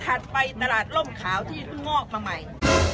ไปตลาดร่มขาวที่เพิ่งงอกมาใหม่